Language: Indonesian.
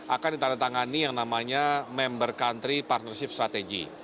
akan ditandatangani yang namanya member country partnership strategy